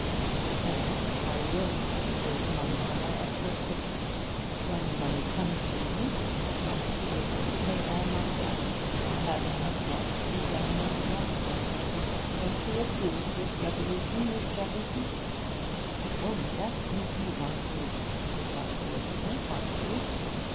I cannot I will not raise money on my expectations! When the money comes to me, I must be able to pay all my debts, and have enough left to recommence life with. Don't you approve this resolution, Miss Shepperson?' 'Oh yes, indeed I do,' replied the listener heartily.